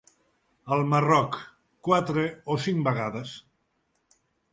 El Marroc, quatre o cinc vegades.